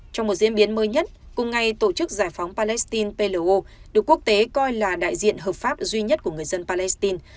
trong một diễn biến mới nhất cùng ngày tổ chức giải phóng palestine plo được quốc tế coi là đại diện hợp pháp duy nhất của người dân palestine